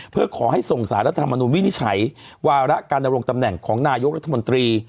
เพื่อขอให้ส่งสารรัฐธรรมนุนวินิจฉัยวาระการดำรงตำแหน่งของนายกรัฐมนตรี